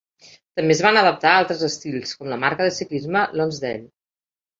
També es van adaptar altres estils com la marca de ciclisme Lonsdale.